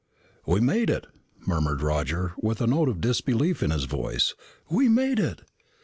"We made it," murmured Roger with a note of disbelief in his voice. "We made it!"